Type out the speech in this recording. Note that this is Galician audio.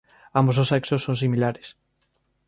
Ambos os sexos son similares.